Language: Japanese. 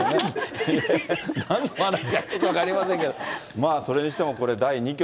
なんの話かよく分かりませんけれども、まあ、それにしてもこれ、第２局。